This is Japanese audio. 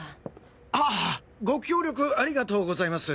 ああご協力ありがとうございます。